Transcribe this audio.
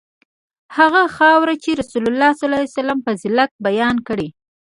هغه خاوره چې رسول الله فضیلت بیان کړی.